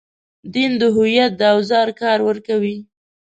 دین د هویت د اوزار کار ورکوي.